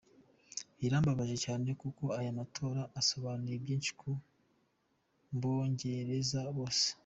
Birambabaje cyane kuko aya matora asobanuye byinshi ku Bongereza bose.